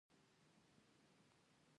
د اوبو او انرژۍ وزارت بندونه جوړوي